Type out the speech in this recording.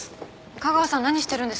架川さん何してるんですか？